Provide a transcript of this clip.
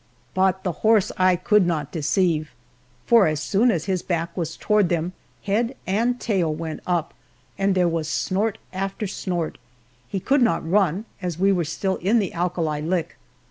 But the horse I could not deceive, for as soon as his back was toward them, head and tail went up, and there was snort after snort. He could not run, as we were still in the alkali lick.